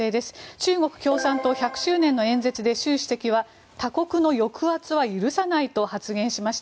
中国共産党１００周年の演説で習主席は他国の抑圧は許さないと発言しました。